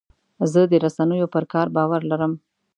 زه د رسنیو پر کار باور لرم.